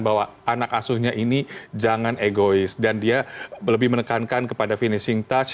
bahwa anak asuhnya ini jangan egois dan dia lebih menekankan kepada finishing touch